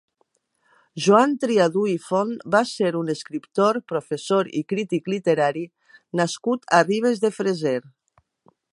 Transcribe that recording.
Joan Triadú i Font va ser un escriptor, professor i crític literari nascut a Ribes de Freser.